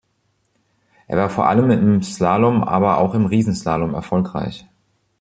Er war vor allem im Slalom, aber auch im Riesenslalom erfolgreich.